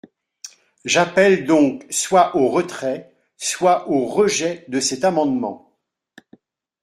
J’appelle donc soit au retrait, soit au rejet de cet amendement.